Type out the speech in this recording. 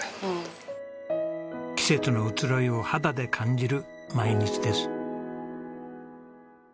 季節の移ろいを肌で感じる毎日です。